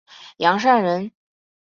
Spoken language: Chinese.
杨善人。